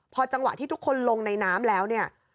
พอจังหวะที่ทุกคนลงในน้ำแล้วเนี่ย